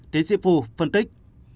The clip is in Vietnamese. tiến sĩ phu phân tích